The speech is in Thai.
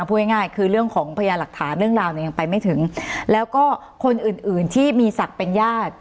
พูดง่ายคือเรื่องของพยานหลักฐานเรื่องราวเนี่ยยังไปไม่ถึงแล้วก็คนอื่นอื่นที่มีศักดิ์เป็นญาติ